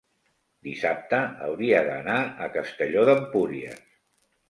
dissabte hauria d'anar a Castelló d'Empúries.